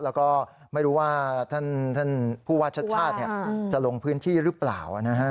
แล้วก็ไม่รู้ว่าท่านผู้วาชชาติเนี่ยจะลงพื้นที่หรือเปล่านะฮะ